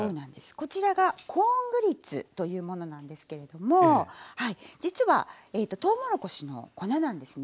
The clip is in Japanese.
こちらがコーングリッツというものなんですけれども実はとうもろこしの粉なんですね。